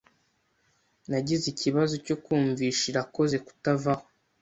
Nagize ikibazo cyo kumvisha Irakoze kutavaho.